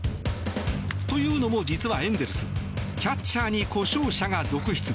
というのも実はエンゼルスキャッチャーに故障者が続出。